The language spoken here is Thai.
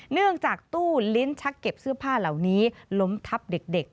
เนื่องจากตู้ลิ้นชักเก็บเสื้อผ้าเหล่านี้ล้มทับเด็ก